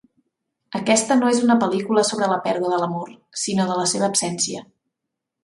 Aquesta no és una pel·lícula sobre la pèrdua de l'amor, sinó de la seva absència.